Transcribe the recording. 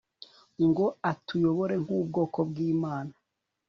ngo atuyobore nkubwoko bwImana